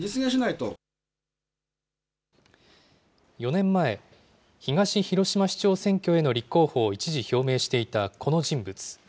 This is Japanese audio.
４年前、東広島市長選挙への立候補を一時表明していたこの人物。